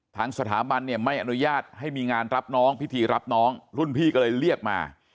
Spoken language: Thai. ทางสถาบันเนี่ยไม่อนุญาตให้มีงานรับน้องพิธีรับน้องรุ่นพี่ก็เลยเรียกมา